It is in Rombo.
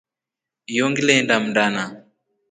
Iyo ngilenda mndana.